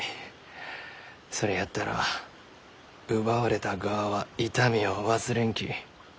それやったら奪われた側は痛みを忘れんき。